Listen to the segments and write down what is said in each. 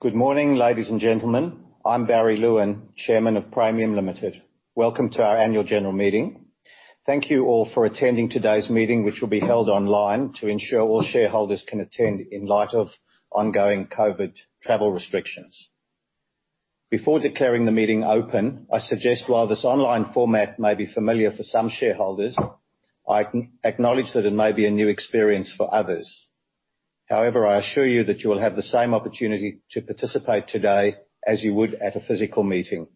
Good morning, ladies and gentlemen. I'm Barry Lewin, Chairman of Praemium Limited. Welcome to our annual general meeting. Thank you all for attending today's meeting, which will be held online to ensure all shareholders can attend in light of ongoing COVID travel restrictions. Before declaring the meeting open, I suggest while this online format may be familiar for some shareholders, I acknowledge that it may be a new experience for others. However, I assure you that you will have the same opportunity to participate today as you would at a physical meeting.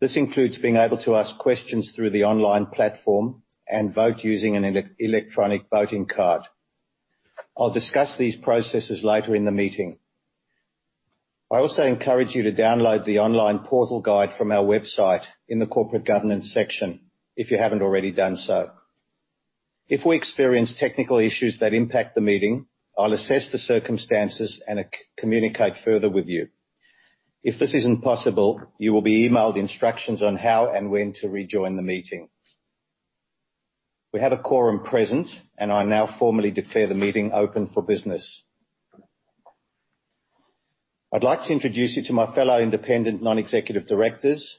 This includes being able to ask questions through the online platform and vote using an electronic voting card. I'll discuss these processes later in the meeting. I also encourage you to download the online portal guide from our website in the corporate governance section if you haven't already done so. If we experience technical issues that impact the meeting, I'll assess the circumstances and communicate further with you. If this isn't possible, you will be emailed instructions on how and when to rejoin the meeting. We have a quorum present, and I now formally declare the meeting open for business. I'd like to introduce you to my fellow Independent Non-Executive Directors,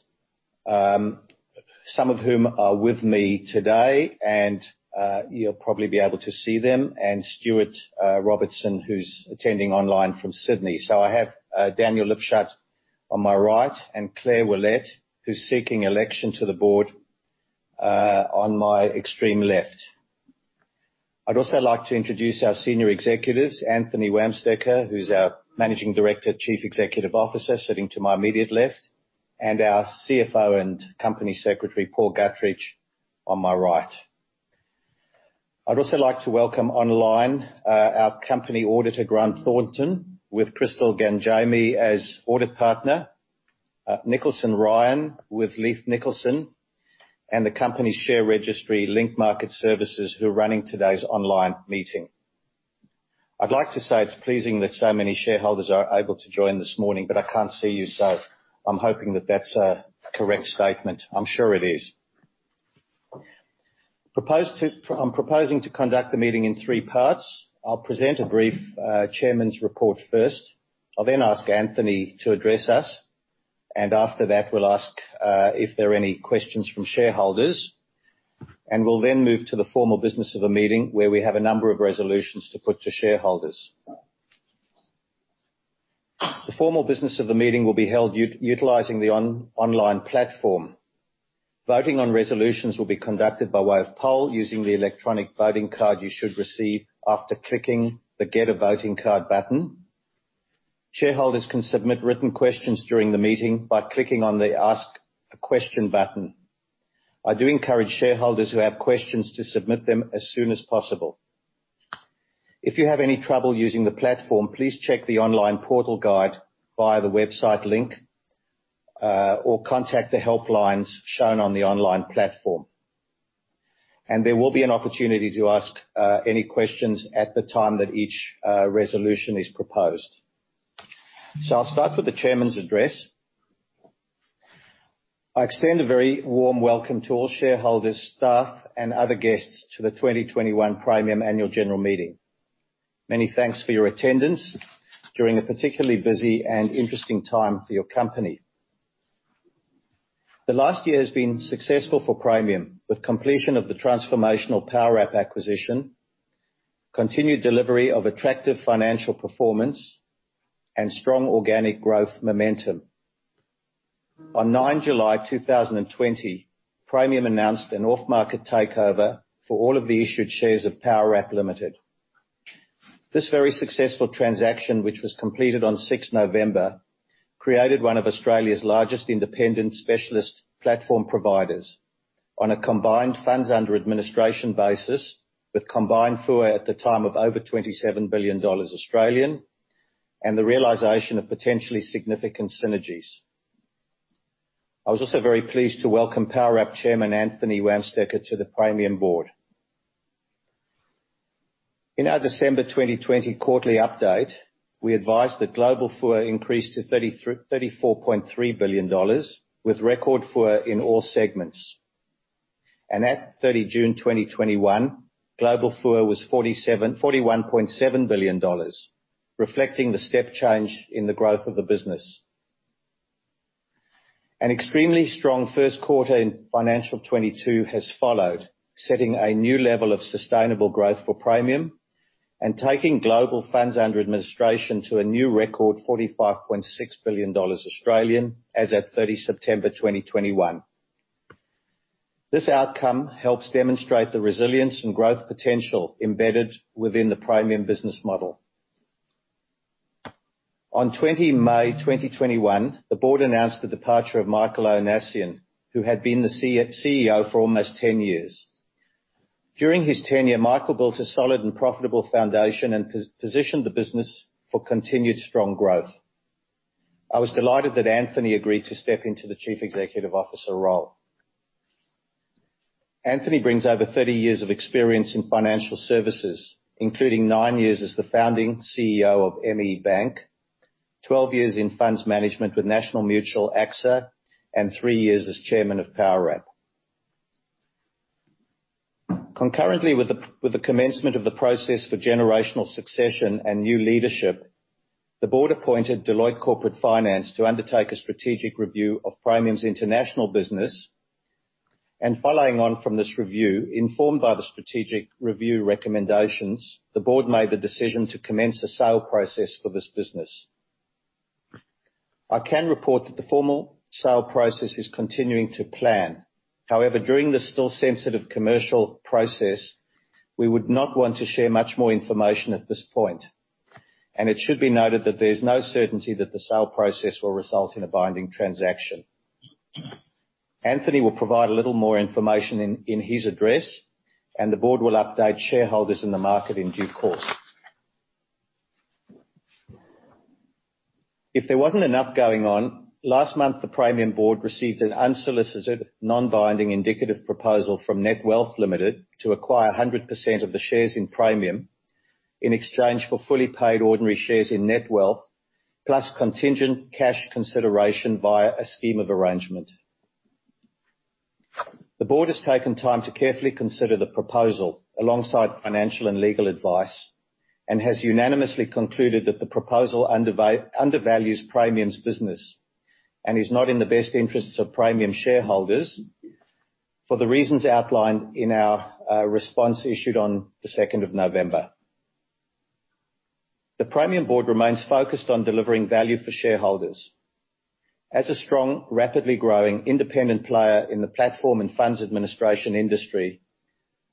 some of whom are with me today and, you'll probably be able to see them, and Stuart Robertson, who's attending online from Sydney. I have Daniel Lipshut on my right, and Claire Willette, who's seeking election to the board, on my extreme left. I'd also like to introduce our senior executives, Anthony Wamsteker, who's our Managing Director Chief Executive Officer, sitting to my immediate left, and our CFO and Company Secretary, Paul Gutteridge, on my right. I'd also like to welcome online our company auditor, Grant Thornton, with Crystel Gangemi as audit partner, Nicholson Ryan with Leath Nicholson, and the company's share registry, Link Market Services, who are running today's online meeting. I'd like to say it's pleasing that so many shareholders are able to join this morning, but I can't see you, so I'm hoping that that's a correct statement. I'm sure it is. I'm proposing to conduct the meeting in three parts. I'll present a brief chairman's report first. I'll then ask Anthony to address us, and after that we'll ask if there are any questions from shareholders, and we'll then move to the formal business of the meeting where we have a number of resolutions to put to shareholders. The formal business of the meeting will be held utilizing the online platform. Voting on resolutions will be conducted by way of poll using the electronic voting card you should receive after clicking the Get a Voting Card button. Shareholders can submit written questions during the meeting by clicking on the Ask a Question button. I do encourage shareholders who have questions to submit them as soon as possible. If you have any trouble using the platform, please check the online portal guide via the website link or contact the help lines shown on the online platform. There will be an opportunity to ask any questions at the time that each resolution is proposed. I'll start with the Chairman's address. I extend a very warm welcome to all shareholders, staff, and other guests to the 2021 Praemium Annual General Meeting. Many thanks for your attendance during a particularly busy and interesting time for your company. The last year has been successful for Praemium, with completion of the transformational Powerwrap acquisition, continued delivery of attractive financial performance, and strong organic growth momentum. On 9 July 2020, Praemium announced an off-market takeover for all of the issued shares of Powerwrap Limited. This very successful transaction, which was completed on 6 November, created one of Australia's largest independent specialist platform providers on a combined funds under administration basis with combined FUA at the time of over 27 billion Australian dollars and the realization of potentially significant synergies. I was also very pleased to welcome Powerwrap Chairman Anthony Wamsteker to the Praemium board. In our December 2020 quarterly update, we advised that global FUA increased to 34.3 billion dollars with record FUA in all segments. At 30 June 2021, global FUA was 47... 41.7 billion dollars, reflecting the step change in the growth of the business. An extremely strong Q1 in FY 2022 has followed, setting a new level of sustainable growth for Praemium and taking global funds under administration to a new record 45.6 billion Australian dollars as at 30 September 2021. This outcome helps demonstrate the resilience and growth potential embedded within the Praemium business model. On 20 May 2021, the board announced the departure of Michael Ohanessian, who had been the CEO for almost 10 years. During his tenure, Michael built a solid and profitable foundation and positioned the business for continued strong growth. I was delighted that Anthony agreed to step into the Chief Executive Officer role. Anthony brings over 30 years of experience in financial services, including nine years as the founding CEO of ME Bank, 12 years in funds management with National Mutual AXA, and three years as chairman of Powerwrap. Concurrently with the commencement of the process for generational succession and new leadership, the board appointed Deloitte Corporate Finance to undertake a strategic review of Praemium's international business. Following on from this review, informed by the strategic review recommendations, the board made the decision to commence a sale process for this business. I can report that the formal sale process is continuing to plan. However, during this still sensitive commercial process, we would not want to share much more information at this point, and it should be noted that there's no certainty that the sale process will result in a binding transaction. Anthony will provide a little more information in his address, and the board will update shareholders in the market in due course. If there wasn't enough going on, last month, the Praemium board received an unsolicited, non-binding indicative proposal from Netwealth Limited to acquire 100% of the shares in Praemium in exchange for fully paid ordinary shares in Netwealth, plus contingent cash consideration via a scheme of arrangement. The board has taken time to carefully consider the proposal alongside financial and legal advice, and has unanimously concluded that the proposal undervalues Praemium's business and is not in the best interests of Praemium shareholders for the reasons outlined in our response issued on the second of November. The Praemium board remains focused on delivering value for shareholders. As a strong, rapidly growing independent player in the platform and funds administration industry,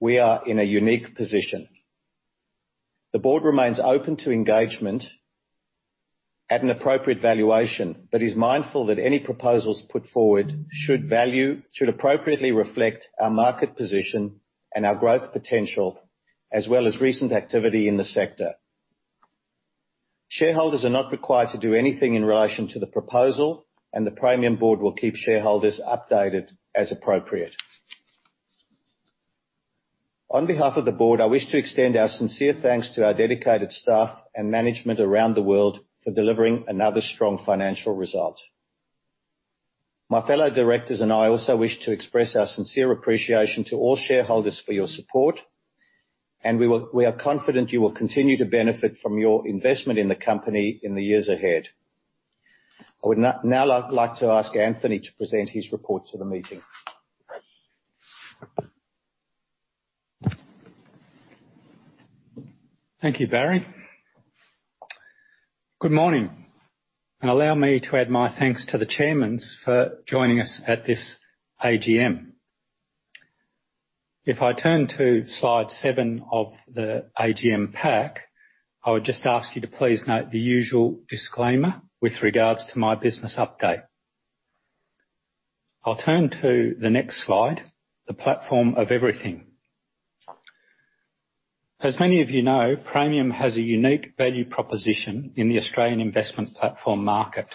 we are in a unique position. The board remains open to engagement at an appropriate valuation, but is mindful that any proposals put forward should appropriately reflect our market position and our growth potential, as well as recent activity in the sector. Shareholders are not required to do anything in relation to the proposal, and the Praemium board will keep shareholders updated as appropriate. On behalf of the board, I wish to extend our sincere thanks to our dedicated staff and management around the world for delivering another strong financial result. My fellow directors and I also wish to express our sincere appreciation to all shareholders for your support, and we are confident you will continue to benefit from your investment in the company in the years ahead. I would now like to ask Anthony to present his report to the meeting. Thank you, Barry. Good morning, and allow me to add my thanks to the chairman's for joining us at this AGM. If I turn to slide seven of the AGM pack, I would just ask you to please note the usual disclaimer with regards to my business update. I'll turn to the next slide, the platform of everything. As many of you know, Praemium has a unique value proposition in the Australian investment platform market.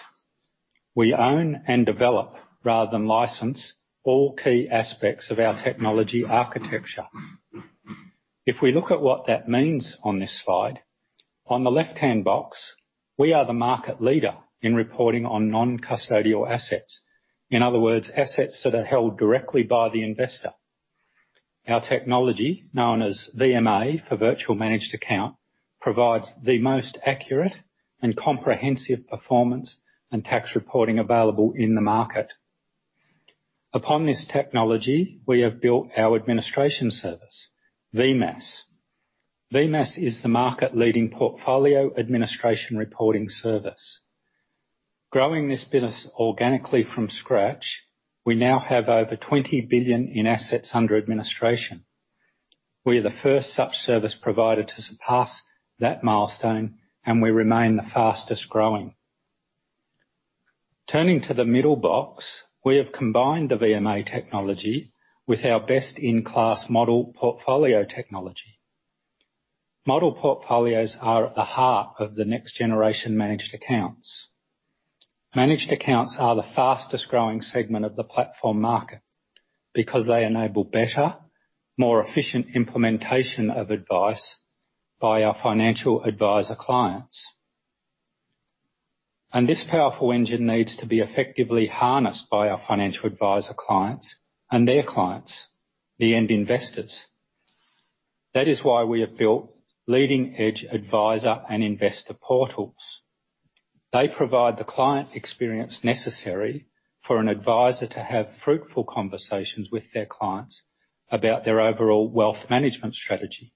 We own and develop, rather than license, all key aspects of our technology architecture. If we look at what that means on this slide, on the left-hand box, we are the market leader in reporting on non-custodial assets. In other words, assets that are held directly by the investor. Our technology, known as VMA for Virtual Managed Account, provides the most accurate and comprehensive performance and tax reporting available in the market. Upon this technology, we have built our administration service, VMAS. VMAS is the market leading portfolio administration reporting service. Growing this business organically from scratch, we now have over 20 billion in assets under administration. We are the first sub-service provider to surpass that milestone, and we remain the fastest-growing. Turning to the middle box, we have combined the VMA technology with our best-in-class model portfolio technology. Model portfolios are at the heart of the next generation managed accounts. Managed accounts are the fastest-growing segment of the platform market because they enable better, more efficient implementation of advice by our financial advisor clients. This powerful engine needs to be effectively harnessed by our financial advisor clients and their clients, the end investors. That is why we have built leading-edge advisor and investor portals. They provide the client experience necessary for an advisor to have fruitful conversations with their clients about their overall wealth management strategy.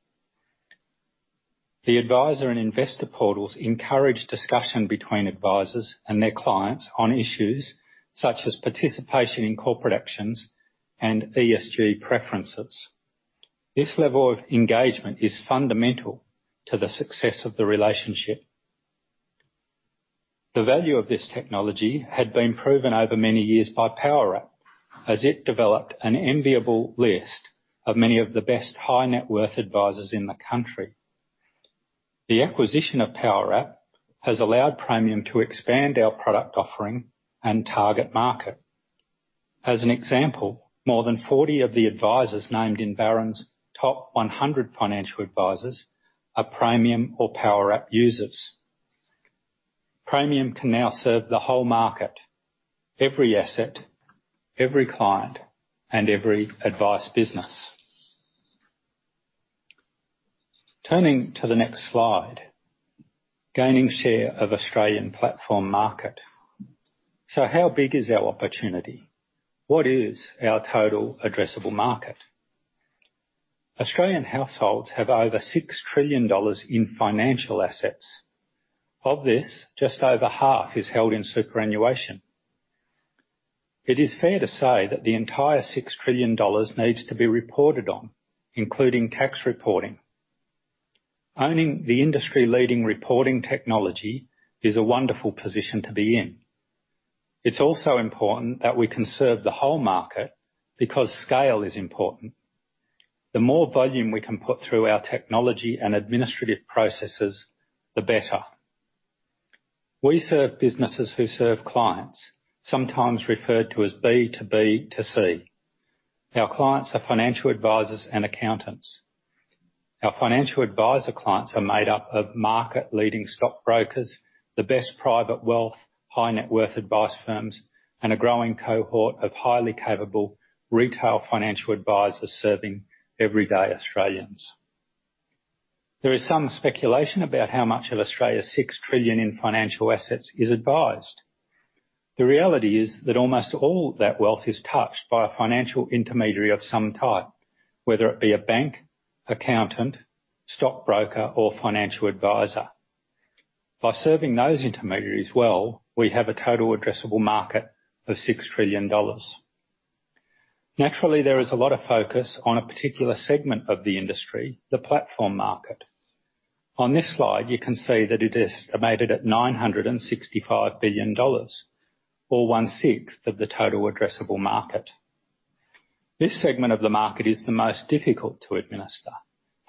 The advisor and investor portals encourage discussion between advisors and their clients on issues such as participation in corporate actions and ESG preferences. This level of engagement is fundamental to the success of the relationship. The value of this technology had been proven over many years by Powerwrap as it developed an enviable list of many of the best high net worth advisors in the country. The acquisition of Powerwrap has allowed Praemium to expand our product offering and target market. As an example, more than 40 of the advisors named in Barron's Top 100 Financial Advisors are Praemium or Powerwrap users. Praemium can now serve the whole market, every asset, every client, and every advice business. Turning to the next slide, gaining share of Australian platform market. How big is our opportunity? What is our total addressable market? Australian households have over 6 trillion dollars in financial assets. Of this, just over half is held in superannuation. It is fair to say that the entire 6 trillion dollars needs to be reported on, including tax reporting. Owning the industry leading reporting technology is a wonderful position to be in. It's also important that we can serve the whole market because scale is important. The more volume we can put through our technology and administrative processes, the better. We serve businesses who serve clients, sometimes referred to as B to B to C. Our clients are financial advisors and accountants. Our financial advisor clients are made up of market-leading stockbrokers, the best private wealth, high net worth advice firms, and a growing cohort of highly capable retail financial advisors serving everyday Australians. There is some speculation about how much of Australia's 6 trillion in financial assets is advised. The reality is that almost all that wealth is touched by a financial intermediary of some type, whether it be a bank, accountant, stockbroker or financial advisor. By serving those intermediaries well, we have a total addressable market of 6 trillion dollars. Naturally, there is a lot of focus on a particular segment of the industry, the platform market. On this slide, you can see that it is estimated at 965 billion dollars or one-sixth of the total addressable market. This segment of the market is the most difficult to administer.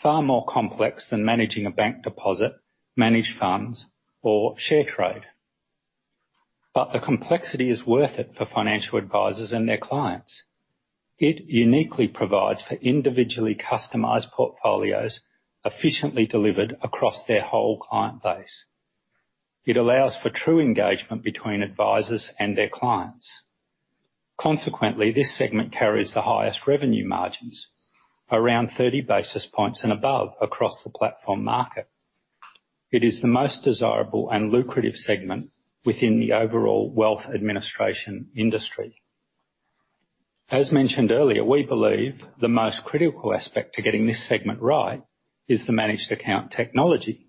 Far more complex than managing a bank deposit, managed funds or share trade. The complexity is worth it for financial advisors and their clients. It uniquely provides for individually customized portfolios, efficiently delivered across their whole client base. It allows for true engagement between advisors and their clients. Consequently, this segment carries the highest revenue margins, around 30 basis points and above across the platform market. It is the most desirable and lucrative segment within the overall wealth administration industry. As mentioned earlier, we believe the most critical aspect to getting this segment right is the managed account technology.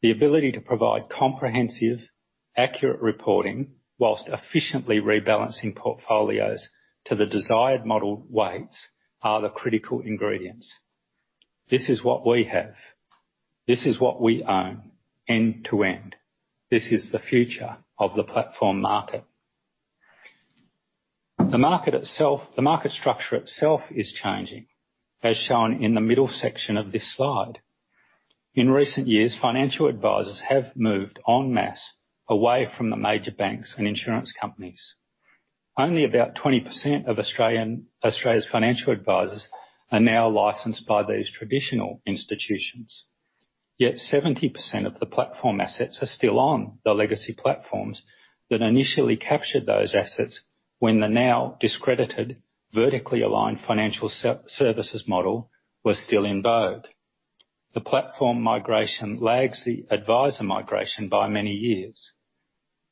The ability to provide comprehensive, accurate reporting while efficiently rebalancing portfolios to the desired model weights are the critical ingredients. This is what we have. This is what we own end to end. This is the future of the platform market. The market itself. The market structure itself is changing, as shown in the middle section of this slide. In recent years, financial advisors have moved en masse away from the major banks and insurance companies. Only about 20% of Australian, Australia's financial advisors are now licensed by these traditional institutions. Yet 70% of the platform assets are still on the legacy platforms that initially captured those assets when the now discredited vertically aligned financial services model was still in vogue. The platform migration lags the advisor migration by many years.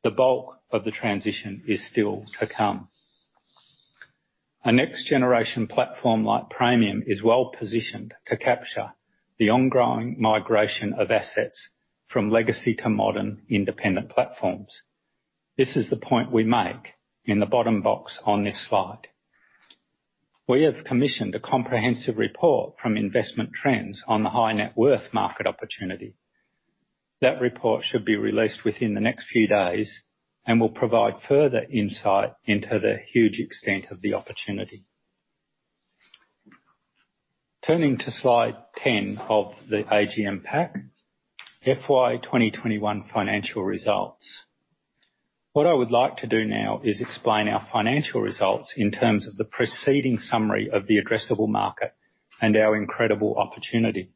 The bulk of the transition is still to come. A next generation platform like Praemium is well-positioned to capture the ongoing migration of assets from legacy to modern independent platforms. This is the point we make in the bottom box on this slide. We have commissioned a comprehensive report from Investment Trends on the high net worth market opportunity. That report should be released within the next few days and will provide further insight into the huge extent of the opportunity. Turning to slide 10 of the AGM pack, FY 2021 financial results. What I would like to do now is explain our financial results in terms of the preceding summary of the addressable market and our incredible opportunity.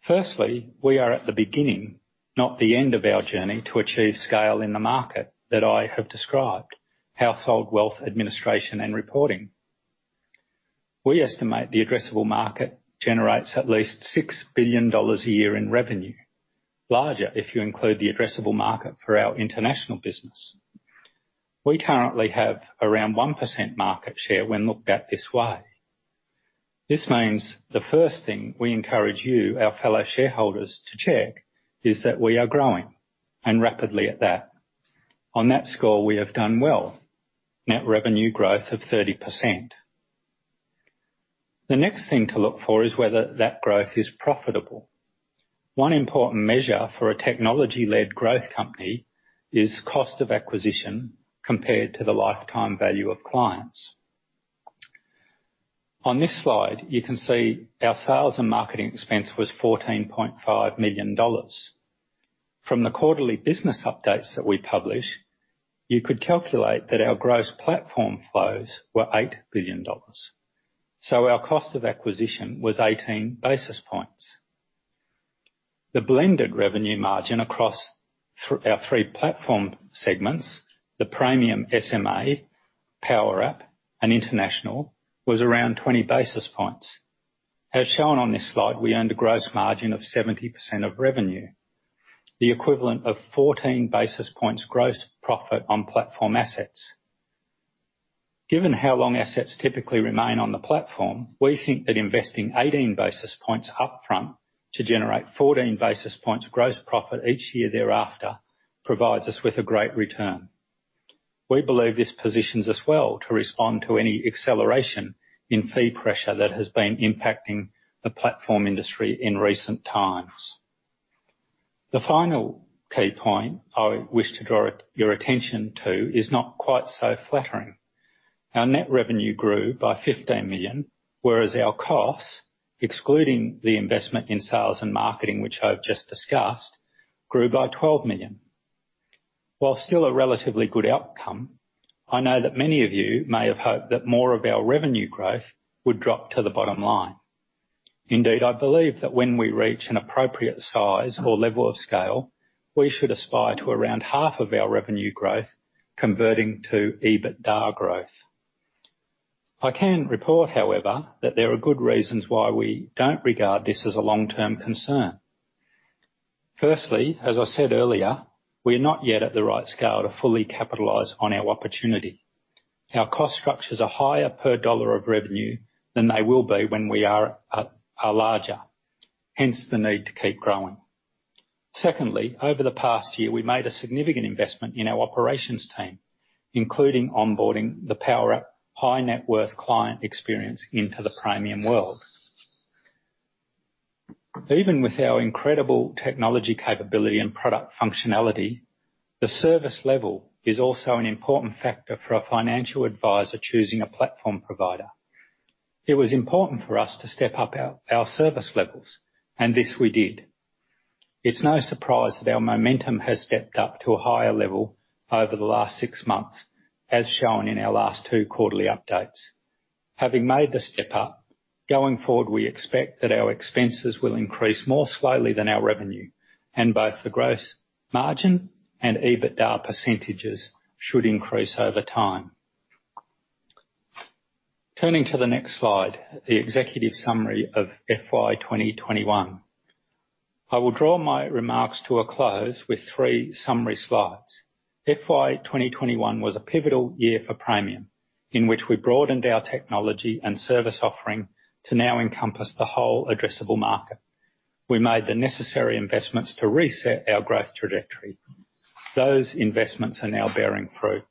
First, we are at the beginning, not the end of our journey to achieve scale in the market that I have described, household wealth administration and reporting. We estimate the addressable market generates at least 6 billion dollars a year in revenue, larger if you include the addressable market for our international business. We currently have around 1% market share when looked at this way. This means the first thing we encourage you, our fellow shareholders, to check, is that we are growing, and rapidly at that. On that score, we have done well. Net revenue growth of 30%. The next thing to look for is whether that growth is profitable. One important measure for a technology-led growth company is cost of acquisition compared to the lifetime value of clients. On this slide, you can see our sales and marketing expense was 14.5 million dollars. From the quarterly business updates that we publish, you could calculate that our gross platform flows were 8 billion dollars. So our cost of acquisition was 18 basis points. The blended revenue margin across our three platform segments, the Praemium SMA, Powerwrap, and international, was around 20 basis points. As shown on this slide, we earned a gross margin of 70% of revenue, the equivalent of 14 basis points gross profit on platform assets. Given how long assets typically remain on the platform, we think that investing 18 basis points upfront to generate 14 basis points gross profit each year thereafter provides us with a great return. We believe this positions us well to respond to any acceleration in fee pressure that has been impacting the platform industry in recent times. The final key point I wish to draw your attention to is not quite so flattering. Our net revenue grew by 15 million, whereas our costs, excluding the investment in sales and marketing, which I've just discussed, grew by 12 million. While still a relatively good outcome, I know that many of you may have hoped that more of our revenue growth would drop to the bottom line. Indeed, I believe that when we reach an appropriate size or level of scale, we should aspire to around half of our revenue growth converting to EBITDA growth. I can report, however, that there are good reasons why we don't regard this as a long-term concern. Firstly, as I said earlier, we're not yet at the right scale to fully capitalize on our opportunity. Our cost structures are higher per dollar of revenue than they will be when we are larger, hence the need to keep growing. Secondly, over the past year, we made a significant investment in our operations team, including onboarding the Powerwrap high net worth client experience into the Praemium world. Even with our incredible technology capability and product functionality, the service level is also an important factor for a financial advisor choosing a platform provider. It was important for us to step up our service levels, and this we did. It's no surprise that our momentum has stepped up to a higher level over the last six months, as shown in our last two quarterly updates. Having made the step up, going forward, we expect that our expenses will increase more slowly than our revenue, and both the gross margin and EBITDA percentages should increase over time. Turning to the next slide, the executive summary of FY 2021. I will draw my remarks to a close with three summary slides. FY 2021 was a pivotal year for Praemium, in which we broadened our technology and service offering to now encompass the whole addressable market. We made the necessary investments to reset our growth trajectory. Those investments are now bearing fruit.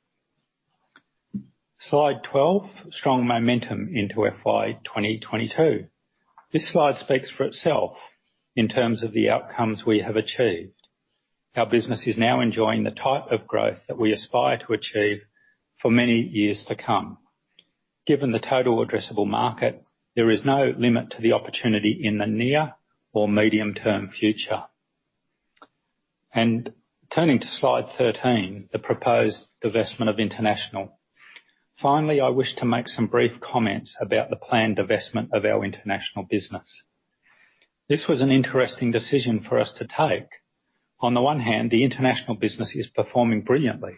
Slide 12, strong momentum into FY 2022. This slide speaks for itself in terms of the outcomes we have achieved. Our business is now enjoying the type of growth that we aspire to achieve for many years to come. Given the total addressable market, there is no limit to the opportunity in the near or medium-term future. Turning to slide 13, the proposed divestment of international. Finally, I wish to make some brief comments about the planned divestment of our international business. This was an interesting decision for us to take. On the one hand, the international business is performing brilliantly.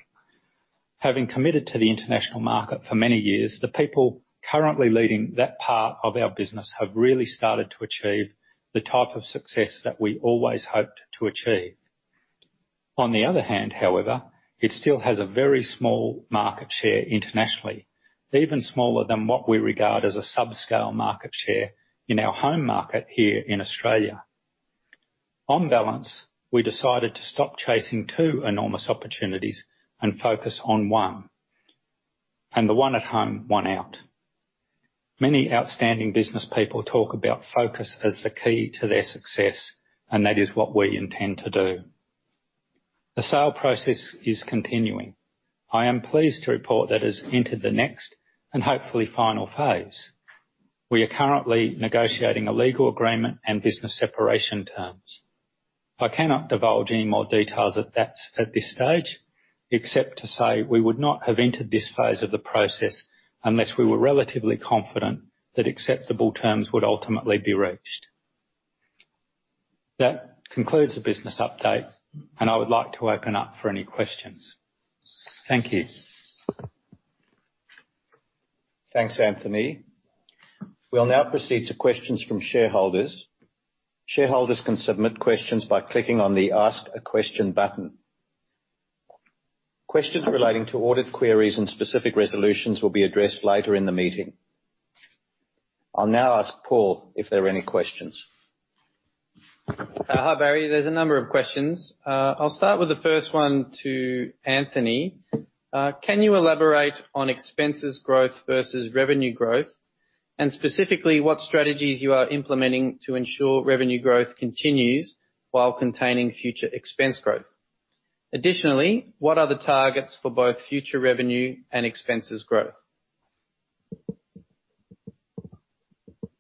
Having committed to the international market for many years, the people currently leading that part of our business have really started to achieve the type of success that we always hoped to achieve. On the other hand, however, it still has a very small market share internationally, even smaller than what we regard as a subscale market share in our home market here in Australia. On balance, we decided to stop chasing two enormous opportunities and focus on one, and the one at home won out. Many outstanding business people talk about focus as the key to their success, and that is what we intend to do. The sale process is continuing. I am pleased to report that it's entered the next and hopefully final phase. We are currently negotiating a legal agreement and business separation terms. I cannot divulge any more details of that at this stage, except to say we would not have entered this phase of the process unless we were relatively confident that acceptable terms would ultimately be reached. That concludes the business update, and I would like to open up for any questions. Thank you. Thanks, Anthony. We'll now proceed to questions from shareholders. Shareholders can submit questions by clicking on the Ask a Question button. Questions relating to audit queries and specific resolutions will be addressed later in the meeting. I'll now ask Paul if there are any questions. Hi, Barry. There's a number of questions. I'll start with the first one to Anthony. Can you elaborate on expenses growth versus revenue growth, and specifically what strategies you are implementing to ensure revenue growth continues while containing future expense growth? Additionally, what are the targets for both future revenue and expenses growth?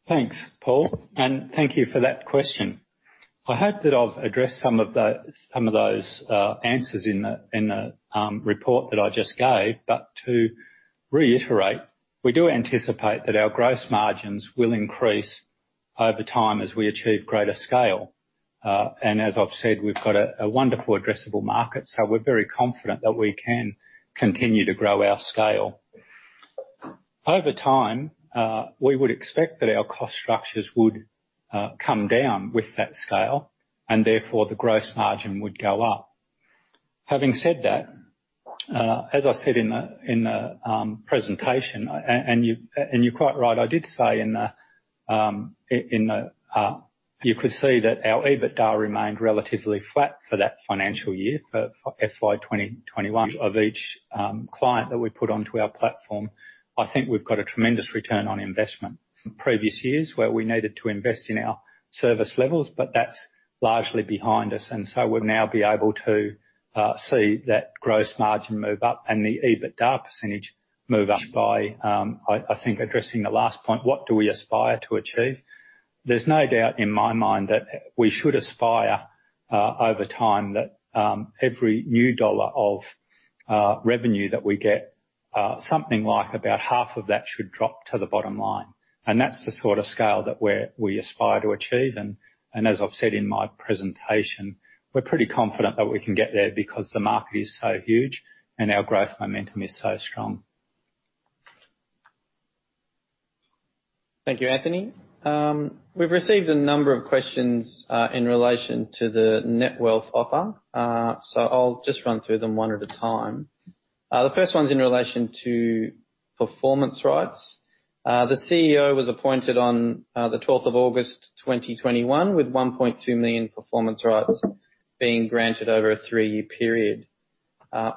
Thanks, Paul, and thank you for that question. I hope that I've addressed some of those answers in the report that I just gave. To reiterate, we do anticipate that our gross margins will increase over time as we achieve greater scale. As I've said, we've got a wonderful addressable market, so we're very confident that we can continue to grow our scale. Over time, we would expect that our cost structures would come down with that scale, and therefore the gross margin would go up. Having said that, as I said in the presentation, and you're quite right, you could see that our EBITDA remained relatively flat for that financial year for FY 2021. Of each client that we put onto our platform, I think we've got a tremendous return on investment. In previous years, where we needed to invest in our service levels, but that's largely behind us, and so we'll now be able to see that gross margin move up and the EBITDA percentage move up by, I think, addressing the last point, what do we aspire to achieve? There's no doubt in my mind that we should aspire over time that every new dollar of revenue that we get, something like about half of that should drop to the bottom line. That's the sort of scale that we aspire to achieve. As I've said in my presentation, we're pretty confident that we can get there because the market is so huge and our growth momentum is so strong. Thank you, Anthony. We've received a number of questions in relation to the Netwealth offer. I'll just run through them one at a time. The first one's in relation to performance rights. The CEO was appointed on the 12th of August 2021 with 1.2 million performance rights being granted over a three-year period.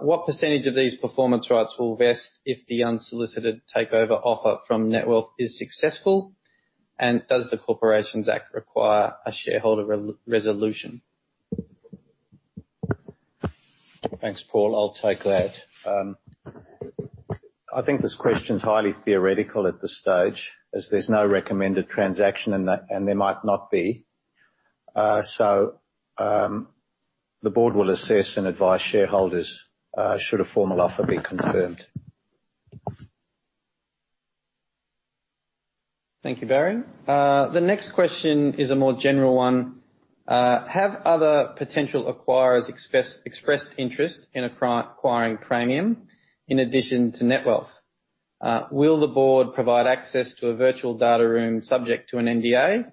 What percentage of these performance rights will vest if the unsolicited takeover offer from Netwealth is successful? And does the Corporations Act require a shareholder re-resolution? Thanks, Paul. I'll take that. I think this question is highly theoretical at this stage as there's no recommended transaction and there might not be. The board will assess and advise shareholders should a formal offer be confirmed. Thank you, Barry. The next question is a more general one. Have other potential acquirers expressed interest in acquiring Praemium in addition to Netwealth? Will the board provide access to a virtual data room subject to an NDA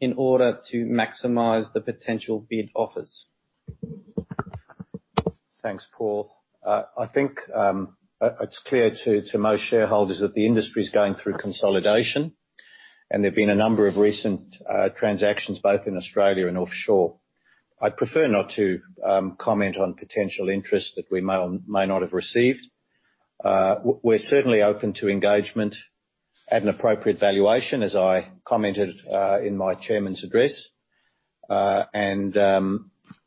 in order to maximize the potential bid offers? Thanks, Paul. I think it's clear to most shareholders that the industry is going through consolidation, and there have been a number of recent transactions both in Australia and offshore. I'd prefer not to comment on potential interest that we may or may not have received. We're certainly open to engagement at an appropriate valuation, as I commented in my chairman's address.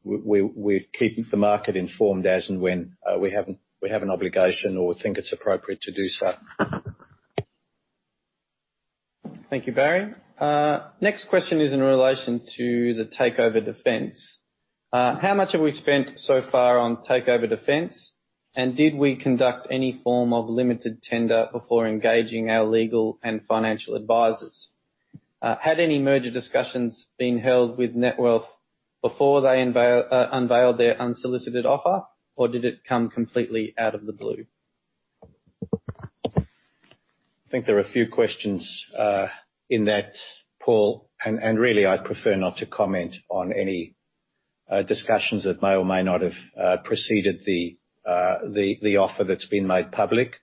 We're keeping the market informed as and when we have an obligation or think it's appropriate to do so. Thank you, Barry. Next question is in relation to the takeover defense. How much have we spent so far on takeover defense? And did we conduct any form of limited tender before engaging our legal and financial advisors? Had any merger discussions been held with Netwealth before they unveiled their unsolicited offer, or did it come completely out of the blue? I think there are a few questions in that, Paul, and really, I'd prefer not to comment on any discussions that may or may not have preceded the offer that's been made public.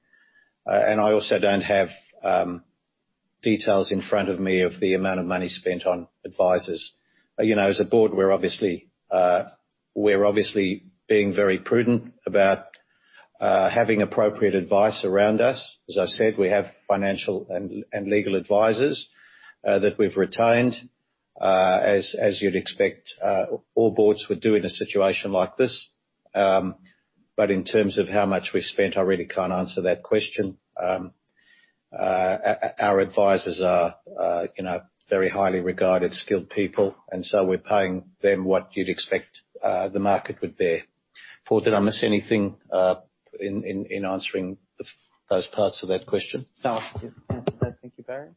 I also don't have details in front of me of the amount of money spent on advisors. You know, as a board, we're obviously being very prudent about having appropriate advice around us. As I said, we have financial and legal advisors that we've retained as you'd expect all boards would do in a situation like this. In terms of how much we've spent, I really can't answer that question. Our advisors are very highly regarded, skilled people, and so we're paying them what you'd expect the market would bear. Paul, did I miss anything, in answering those parts of that question? No. You answered that. Thank you, Barry.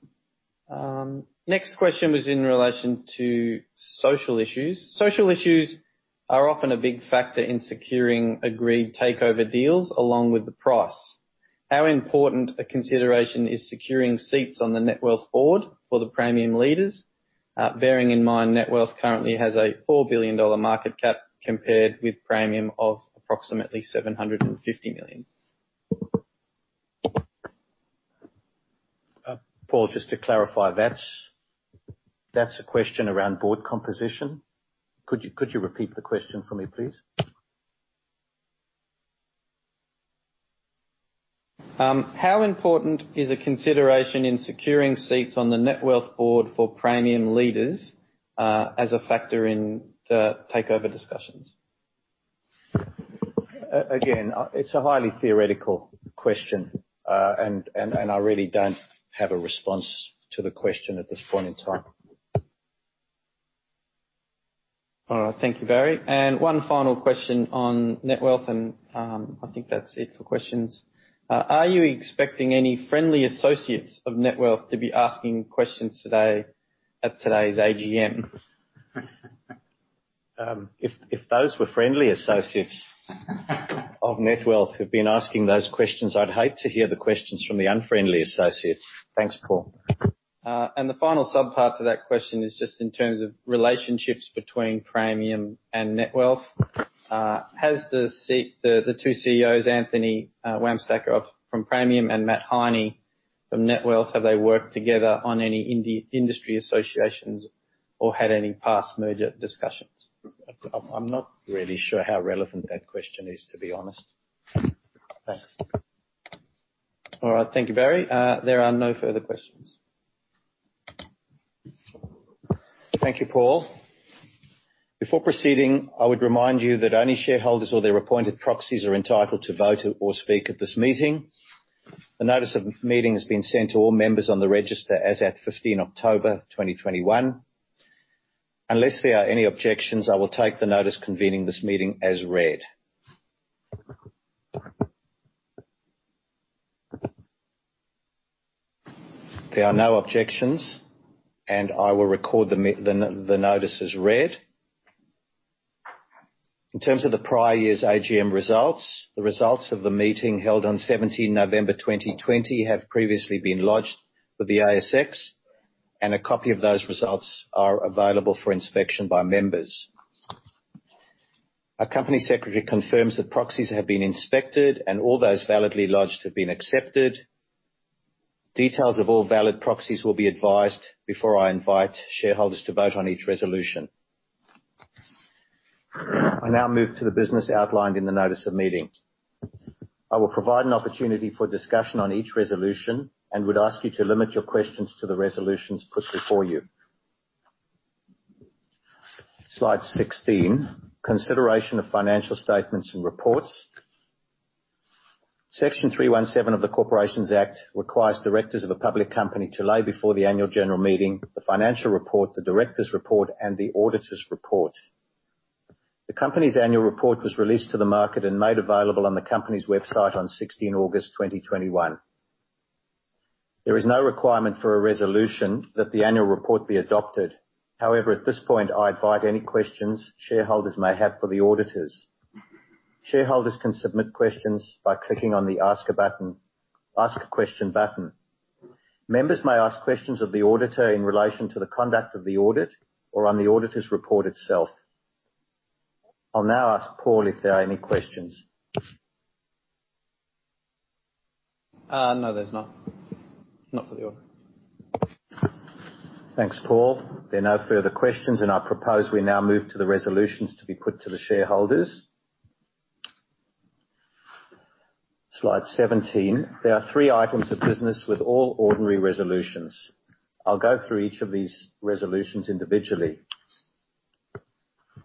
Next question was in relation to social issues. Social issues are often a big factor in securing agreed takeover deals along with the price. How important a consideration is securing seats on the Netwealth board for the Praemium leaders? Bearing in mind, Netwealth currently has a 4 billion dollar market cap compared with Praemium of approximately 750 million. Paul, just to clarify, that's a question around board composition. Could you repeat the question for me, please? How important is a consideration in securing seats on the Netwealth board for Praemium leaders, as a factor in the takeover discussions? Again, it's a highly theoretical question, and I really don't have a response to the question at this point in time. All right. Thank you, Barry. One final question on Netwealth and, I think that's it for questions. Are you expecting any friendly associates of Netwealth to be asking questions today at today's AGM? If those were friendly associates of Netwealth who've been asking those questions, I'd hate to hear the questions from the unfriendly associates. Thanks, Paul. The final sub-part to that question is just in terms of relationships between Praemium and Netwealth. Has the two CEOs, Anthony Wamsteker from Praemium and Matt Heine from Netwealth, have they worked together on any industry associations or had any past merger discussions? I'm not really sure how relevant that question is, to be honest. Thanks. All right. Thank you, Barry. There are no further questions. Thank you, Paul. Before proceeding, I would remind you that only shareholders or their appointed proxies are entitled to vote or speak at this meeting. The notice of meeting has been sent to all members on the register as at 15 October 2021. Unless there are any objections, I will take the notice convening this meeting as read. There are no objections, and I will record the notice as read. In terms of the prior year's AGM results, the results of the meeting held on 17 November 2020 have previously been lodged with the ASX, and a copy of those results are available for inspection by members. Our company secretary confirms that proxies have been inspected and all those validly lodged have been accepted. Details of all valid proxies will be advised before I invite shareholders to vote on each resolution. I now move to the business outlined in the notice of meeting. I will provide an opportunity for discussion on each resolution and would ask you to limit your questions to the resolutions put before you. Slide 16, consideration of financial statements and reports. Section 317 of the Corporations Act requires directors of a public company to lay before the annual general meeting, the financial report, the directors' report, and the auditor's report. The company's annual report was released to the market and made available on the company's website on 16 August 2021. There is no requirement for a resolution that the annual report be adopted. However, at this point, I invite any questions shareholders may have for the auditors. Shareholders can submit questions by clicking on the Ask a Question button. Members may ask questions of the auditor in relation to the conduct of the audit or on the auditor's report itself. I'll now ask Paul if there are any questions. No, there's not. Not for the auditor. Thanks, Paul. There are no further questions, and I propose we now move to the resolutions to be put to the shareholders. Slide 17, there are three items of business with all ordinary resolutions. I'll go through each of these resolutions individually.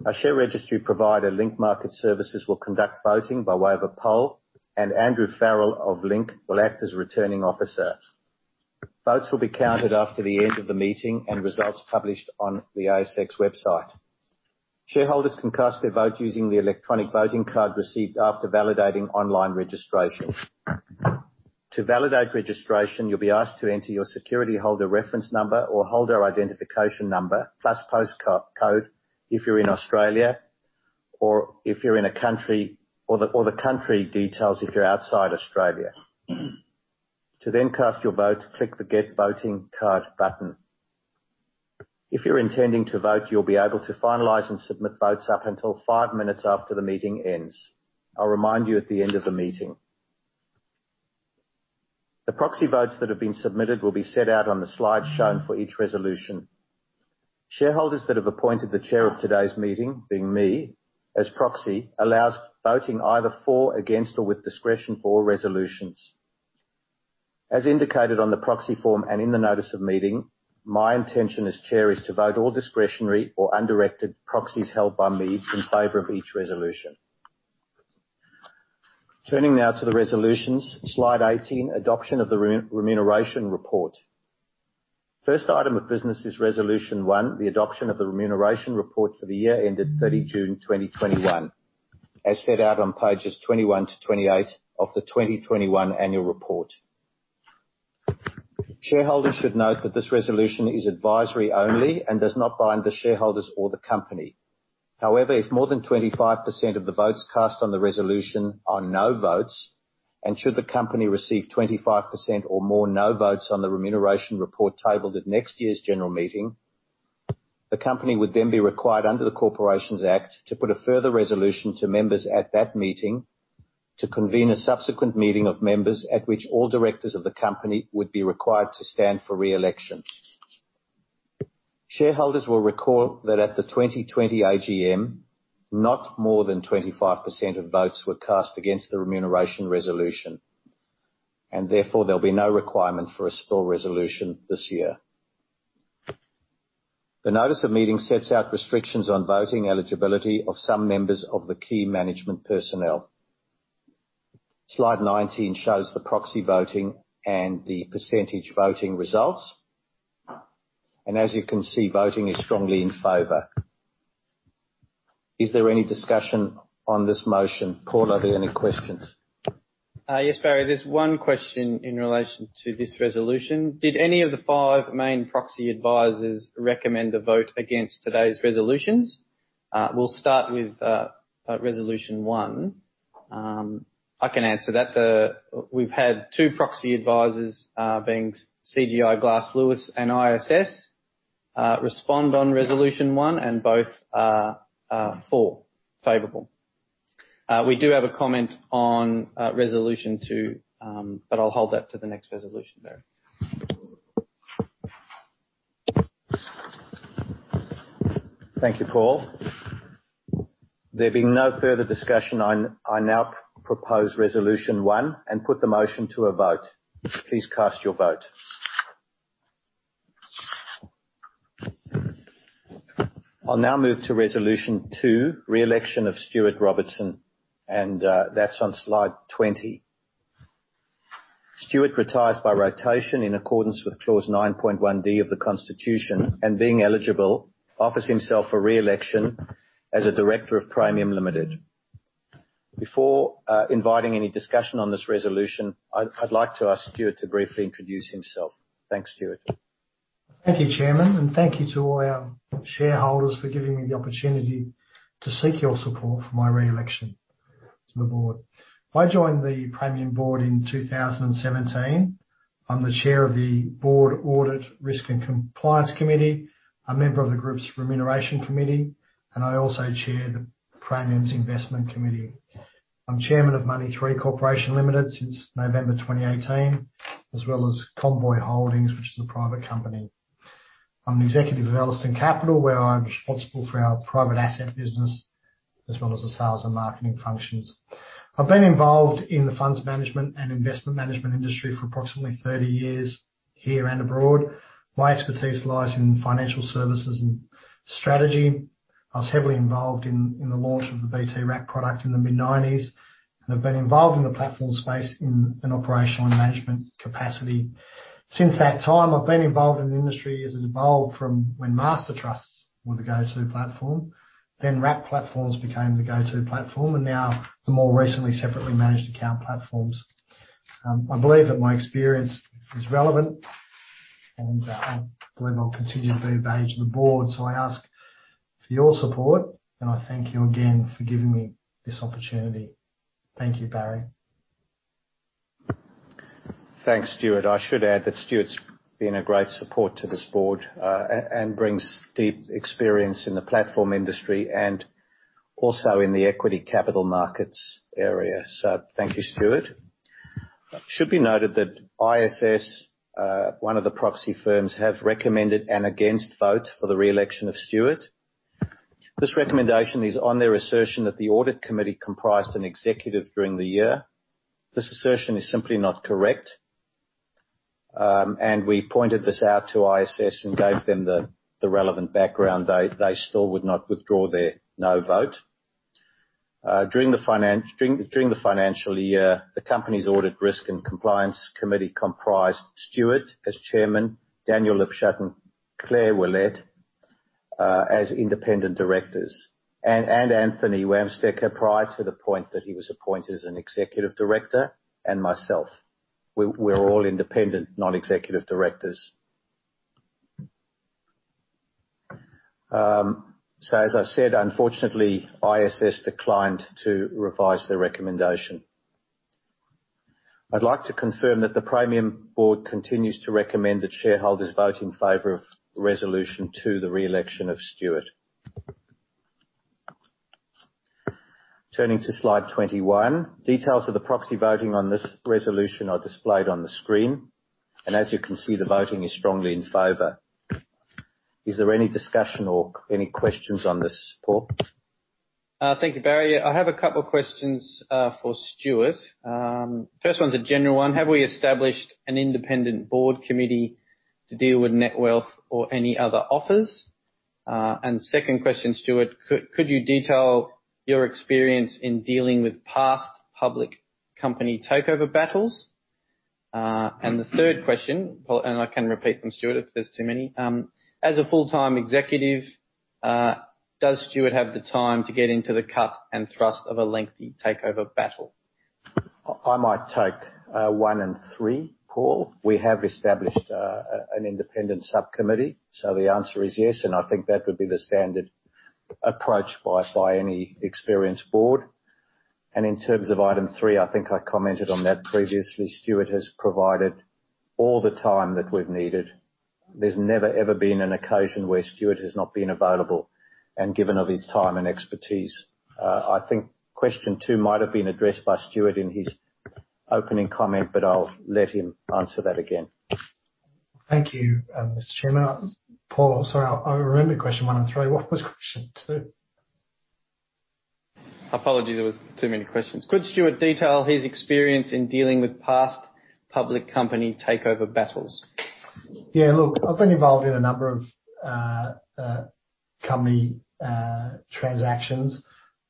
Our share registry provider, Link Market Services, will conduct voting by way of a poll, and Andrew Farrell of Link will act as Returning Officer. Votes will be counted after the end of the meeting and results published on the ASX website. Shareholders can cast their vote using the electronic voting card received after validating online registration. To validate registration, you'll be asked to enter your security holder reference number or holder identification number, plus postcode, if you're in Australia, or the country details if you're outside Australia. To then cast your vote, click the Get Voting Card button. If you're intending to vote, you'll be able to finalize and submit votes up until 5 minutes after the meeting ends. I'll remind you at the end of the meeting. The proxy votes that have been submitted will be set out on the slide shown for each resolution. Shareholders that have appointed the chair of today's meeting, being me, as proxy, allows voting either for, against, or with discretion for all resolutions. As indicated on the proxy form and in the notice of meeting, my intention as chair is to vote all discretionary or undirected proxies held by me in favor of each resolution. Turning now to the resolutions, slide 18, adoption of the remuneration report. First item of business is resolution one, the adoption of the remuneration report for the year ended 30 June 2021, as set out on pages 21-28 of the 2021 annual report. Shareholders should note that this resolution is advisory only and does not bind the shareholders or the company. However, if more than 25% of the votes cast on the resolution are no votes, and should the company receive 25% or more no votes on the remuneration report tabled at next year's general meeting, the company would then be required under the Corporations Act to put a further resolution to members at that meeting to convene a subsequent meeting of members at which all directors of the company would be required to stand for re-election. Shareholders will recall that at the 2020 AGM, not more than 25% of votes were cast against the remuneration resolution, and therefore there'll be no requirement for a spill resolution this year. The notice of meeting sets out restrictions on voting eligibility of some members of the key management personnel. Slide 19 shows the proxy voting and the percentage voting results. As you can see, voting is strongly in favor. Is there any discussion on this motion? Paul, are there any questions? Yes, Barry, there's one question in relation to this resolution. Did any of the five main proxy advisors recommend a vote against today's resolutions? We'll start with resolution one. I can answer that. We've had two proxy advisors, being Glass Lewis and ISS, respond on resolution one, and both are favorable. We do have a comment on resolution two, but I'll hold that to the next resolution, Barry. Thank you, Paul. There being no further discussion, I now propose resolution 1 and put the motion to a vote. Please cast your vote. I'll now move to resolution 2, re-election of Stuart Robertson, and that's on slide 20. Stuart retires by rotation in accordance with clause 9.1D of the constitution, and being eligible, offers himself for re-election as a director of Praemium Limited. Before inviting any discussion on this resolution, I'd like to ask Stuart to briefly introduce himself. Thanks, Stuart. Thank you, Chairman, and thank you to all our shareholders for giving me the opportunity to seek your support for my re-election to the board. I joined the Praemium board in 2017. I'm the chair of the Board Audit, Risk and Compliance Committee, a member of the group's Remuneration Committee, and I also chair Praemium's Investment Committee. I'm chairman of Money3 Corporation Limited since November 2018, as well as Dorvoy Holdings, which is a private company. I'm an executive of Ellerston Capital, where I'm responsible for our private asset business as well as the sales and marketing functions. I've been involved in the funds management and investment management industry for approximately 30 years, here and abroad. My expertise lies in financial services and strategy. I was heavily involved in the launch of the BT Wrap product in the mid-nineties, and I've been involved in the platform space in an operational and management capacity. Since that time, I've been involved in the industry as it evolved from when master trusts were the go-to platform, then wrap platforms became the go-to platform, and now the more recently separately managed account platforms. I believe that my experience is relevant, and I believe I'll continue to be of value to the board. I ask for your support, and I thank you again for giving me this opportunity. Thank you, Barry. Thanks, Stuart. I should add that Stuart's been a great support to this board, and brings deep experience in the platform industry and also in the equity capital markets area. Thank you, Stuart. It should be noted that ISS, one of the proxy firms, have recommended an against vote for the re-election of Stuart. This recommendation is on their assertion that the audit committee comprised an executive during the year. This assertion is simply not correct, and we pointed this out to ISS and gave them the relevant background. They still would not withdraw their no vote. During the financial year, the company's Audit, Risk and Compliance Committee comprised Stuart as chairman, Daniel Lipshut and Claire Willette, as independent directors, and Anthony Wamsteker prior to the point that he was appointed as an executive director, and myself. We're all independent non-executive directors. As I said, unfortunately, ISS declined to revise their recommendation. I'd like to confirm that the Praemium board continues to recommend that shareholders vote in favor of resolution to the re-election of Stuart. Turning to slide 21. Details of the proxy voting on this resolution are displayed on the screen, and as you can see, the voting is strongly in favor. Is there any discussion or any questions on this, Paul? Thank you, Barry. I have a couple questions for Stuart. First one's a general one: Have we established an independent board committee to deal with Netwealth or any other offers? Second question, Stuart: Could you detail your experience in dealing with past public company takeover battles? Third question, Paul, and I can repeat them, Stuart, if there's too many. As a full-time executive, does Stuart have the time to get into the cut and thrust of a lengthy takeover battle? I might take one and three, Paul. We have established an independent subcommittee. The answer is yes, and I think that would be the standard approach by any experienced board. In terms of item three, I think I commented on that previously. Stuart has provided all the time that we've needed. There's never, ever been an occasion where Stuart has not been available and given of his time and expertise. I think question two might have been addressed by Stuart in his opening comment, but I'll let him answer that again. Thank you, Mr. Chairman. Paul, sorry, I remember question one and three. What was question two? Apologies, it was too many questions. Could Stuart detail his experience in dealing with past public company takeover battles? Yeah. Look, I've been involved in a number of company transactions,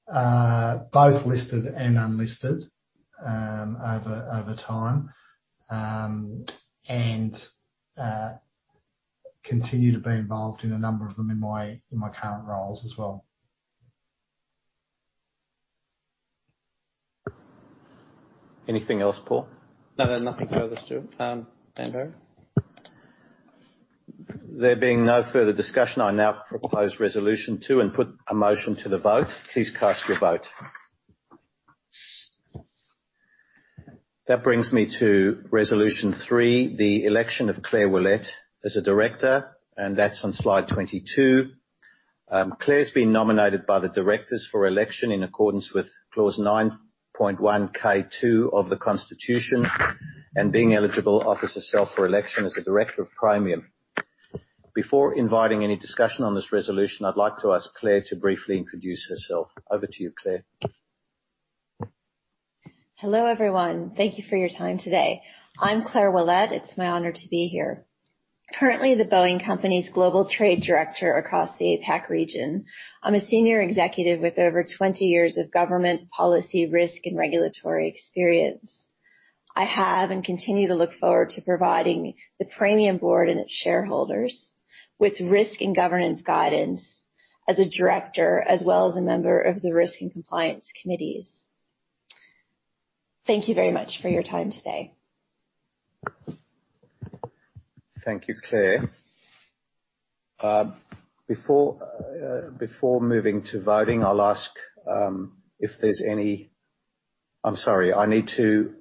both listed and unlisted, over time. Continue to be involved in a number of them in my current roles as well. Anything else, Paul? No, no. Nothing further, Stuart. Barry. There being no further discussion, I now propose resolution two and put a motion to the vote. Please cast your vote. That brings me to resolution three, the election of Claire Willette as a director, and that's on slide 22. Claire's been nominated by the directors for election in accordance with Clause 9.1 K, 2 of the Constitution, and being eligible, offers herself for election as a director of Praemium. Before inviting any discussion on this resolution, I'd like to ask Claire to briefly introduce herself. Over to you, Claire. Hello, everyone. Thank you for your time today. I'm Claire Willette. It's my honor to be here. I'm currently The Boeing Company's global trade director across the APAC region. I'm a senior executive with over 20 years of government policy risk and regulatory experience. I have and continue to look forward to providing the Praemium board and its shareholders with risk and governance guidance as a director, as well as a member of the Risk and Compliance Committees. Thank you very much for your time today. Thank you, Claire. Before moving to voting, I need to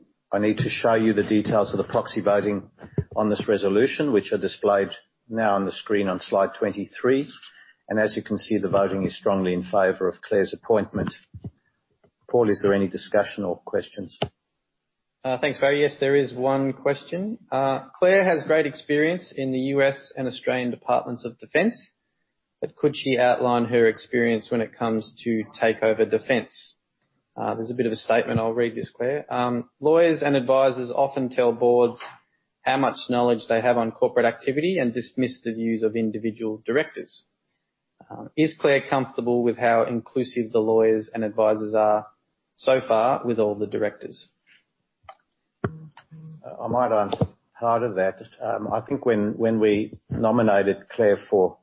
show you the details of the proxy voting on this resolution, which are displayed now on the screen on slide 23. As you can see, the voting is strongly in favor of Claire's appointment. Paul, is there any discussion or questions? Thanks, Barry. Yes, there is one question. Claire has great experience in the U.S. and Australian Departments of Defense, but could she outline her experience when it comes to takeover defense? There's a bit of a statement. I'll read this, Claire. Lawyers and advisors often tell boards how much knowledge they have on corporate activity and dismiss the views of individual directors. Is Claire comfortable with how inclusive the lawyers and advisors are so far with all the directors? I might answer part of that. I think when we nominated Claire for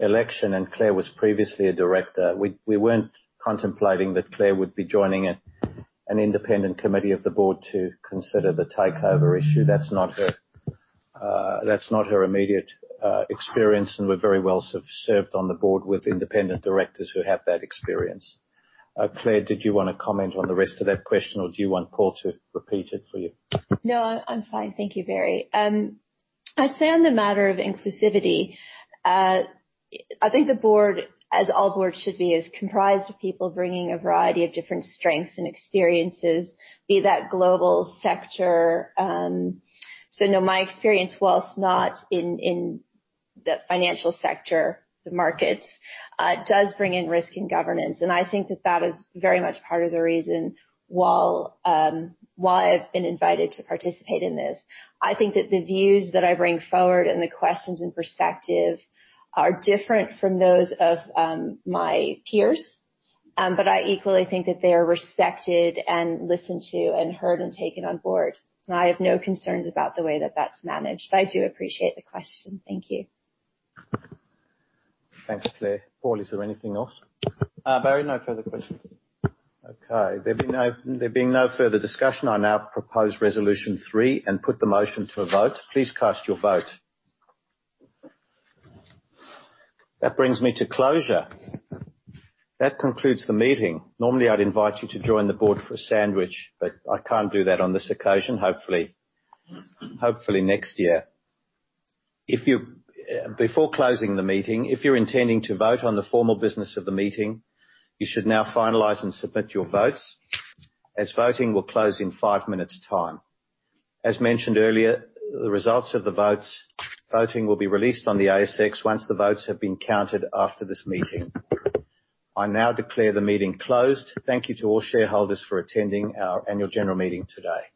election, and Claire was previously a director, we weren't contemplating that Claire would be joining an independent committee of the board to consider the takeover issue. That's not her immediate experience, and we're very well served on the board with independent directors who have that experience. Claire, did you wanna comment on the rest of that question, or do you want Paul to repeat it for you? I'm fine. Thank you, Barry. I'd say on the matter of inclusivity, I think the board, as all boards should be, is comprised of people bringing a variety of different strengths and experiences, be that global sector. No, my experience, while not in the financial sector, the markets, it does bring in risk and governance, and I think that is very much part of the reason why I've been invited to participate in this. I think that the views that I bring forward and the questions and perspective are different from those of my peers. I equally think that they are respected and listened to and heard and taken on board. I have no concerns about the way that that's managed. I do appreciate the question. Thank you. Thanks, Claire. Paul, is there anything else? Barry, no further questions. Okay. There being no further discussion, I now propose resolution three and put the motion to a vote. Please cast your vote. That brings me to closure. That concludes the meeting. Normally, I'd invite you to join the board for a sandwich, but I can't do that on this occasion. Hopefully next year. Before closing the meeting, if you're intending to vote on the formal business of the meeting, you should now finalize and submit your votes as voting will close in five minutes time. As mentioned earlier, the results of the voting will be released on the ASX once the votes have been counted after this meeting. I now declare the meeting closed. Thank you to all shareholders for attending our annual general meeting today.